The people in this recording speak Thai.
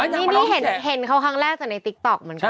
นี่เห็นเขาครั้งแรกจากในติ๊กต๊อกเหมือนกัน